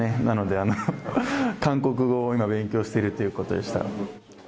なので韓国語を今、勉強しているということでした。